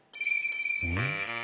うん？